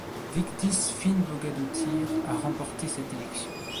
Vigdís Finnbogadóttir a remporté cette élection.